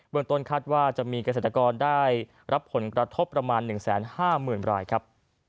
เมืองต้นคาดว่าจะมีเกษตรกรได้รับผลกระทบประมาณ๑๕๐๐๐รายครับ